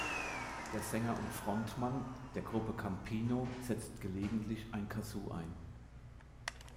Der Sänger und Frontmann der Gruppe Campino setzt gelegentlich ein Kazoo ein.